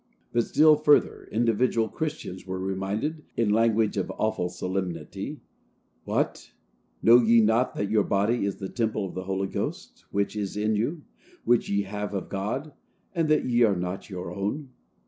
But still further, individual Christians were reminded, in language of awful solemnity, "What! know ye not that your body is the temple of the Holy Ghost, which is in you, which ye have of God, and that ye are not your own?"